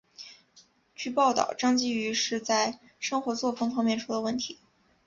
据报道张继禹是在生活作风方面出了问题。